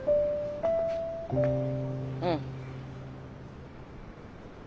うん。